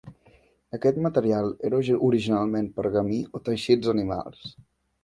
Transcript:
Aquest material era originalment pergamí o teixits animals.